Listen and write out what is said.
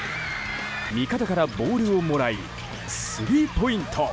味方からボールをもらいスリーポイント。